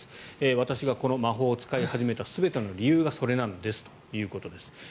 私がこの魔法を使い始めた全ての理由がそれなんですということです。